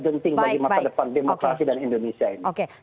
genting bagi masa depan demokrasi dan indonesia ini